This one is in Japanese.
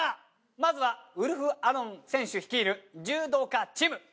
まずはウルフアロン選手率いる柔道家チーム。